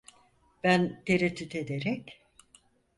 Ben tereddüt ederek: